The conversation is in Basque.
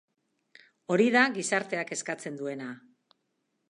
Hori da gizarteak eskatzen duena.